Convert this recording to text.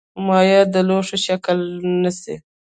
مایع د لوښي شکل نیسي.